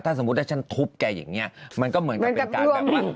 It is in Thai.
ถ้าสมมุติถ้าฉันทุบแกอย่างนี้มันก็เหมือนกับเป็นการแบบว่า